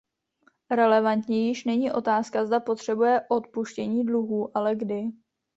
Relevantní již není otázka, zda potřebuje odpuštění dluhů, ale kdy.